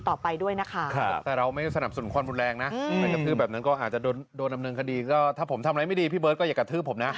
ถ้าผมทำอะไรไม่ดีพี่เบิร์ตก็อย่ากระทืบผมนะ